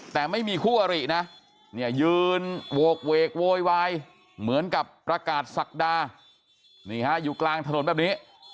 แต่ไม่มีคู่อรินะเนี่ยยืนโหกเวกโวยวายเหมือนกับประกาศศักดานี่ฮะอยู่กลางถนนแบบนี้